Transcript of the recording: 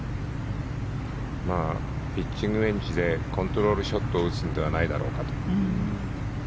ピッチングウェッジでコントロールショットを打つのではないだろうかと。